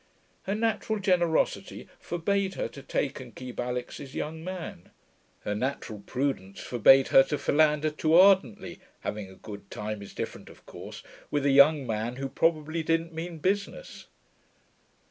Her natural generosity forbade her to take and keep Alix's young man; her natural prudence forbade her to philander too ardently (having a good time is different, of course) with a young man who probably didn't mean business.